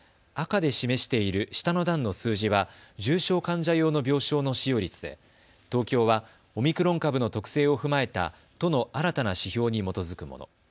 赤で示している下の段の数字は重症患者用の病床の使用率で東京はオミクロン株の特性を踏まえた都の新たな指標に基づくもの。